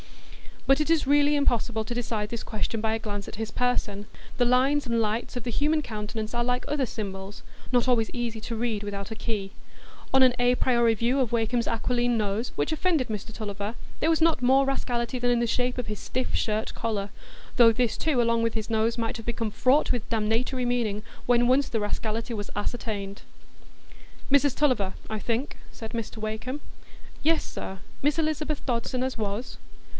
But it is really impossible to decide this question by a glance at his person; the lines and lights of the human countenance are like other symbols,—not always easy to read without a key. On an a priori view of Wakem's aquiline nose, which offended Mr Tulliver, there was not more rascality than in the shape of his stiff shirt collar, though this too along with his nose, might have become fraught with damnatory meaning when once the rascality was ascertained. "Mrs Tulliver, I think?" said Mr Wakem. "Yes, sir; Miss Elizabeth Dodson as was."